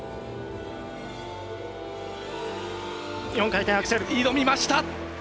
４回転アクセル、挑みました！